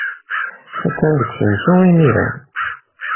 Attan deg usensu imir-a.